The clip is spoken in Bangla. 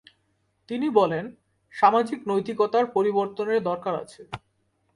তিনি বলেন, সামাজিক নৈতিকতার পরিবর্তনের দরকার আছে।